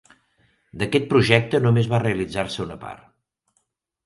D'aquest projecte només va realitzar-se una part.